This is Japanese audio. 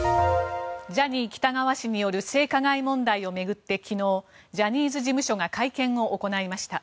ジャニー喜多川氏による性加害問題を巡って、昨日ジャニーズ事務所が会見を行いました。